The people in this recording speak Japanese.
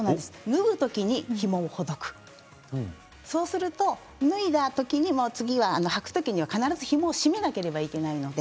脱ぐときにひもをほどくそうすると脱いだときに次は履くときに必ずひもを締めなければいけません。